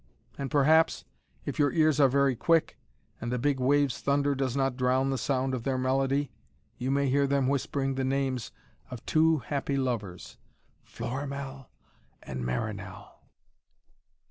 And perhaps, if your ears are very quick, and the big waves' thunder does not drown the sound of their melody, you may hear them whispering the names of two happy lovers, Florimell and Marinell.